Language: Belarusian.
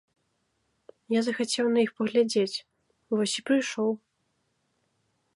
Я захацеў на іх паглядзець, вось і прыйшоў.